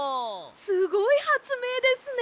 すごいはつめいですね！